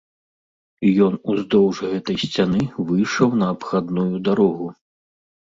І ён уздоўж гэтай сцяны выйшаў на абхадную дарогу.